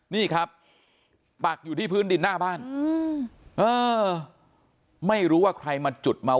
นี่ครับปักอยู่ที่พื้นดินหน้าบ้านอืมเออไม่รู้ว่าใครมาจุดเมา